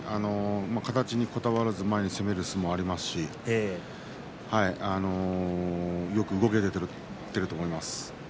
形にこだわらず前に攻める相撲もありますしよく動けていると思います。